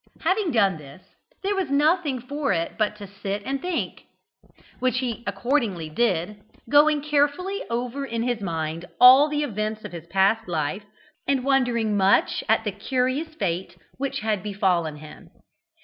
Having done this there was nothing for it but to sit and think, which he accordingly did, going carefully over in his mind all the events of his past life, and wondering much at the curious fate which had befallen him.